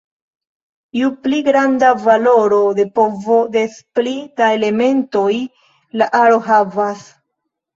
Ju pli granda valoro de povo des pli da elementoj la aro havas.